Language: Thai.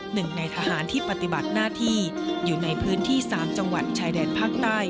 หนึ่งในทหารที่ปฏิบัติหน้าที่อยู่ในพื้นที่๓จังหวัดชายแดนภาคใต้